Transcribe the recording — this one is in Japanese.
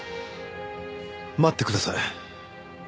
待ってください。